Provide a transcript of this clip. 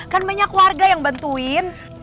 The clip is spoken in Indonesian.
kan banyak warga yang bantuin